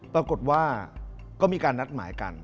ปรากฏว่าก็มีการนัดหมายกัน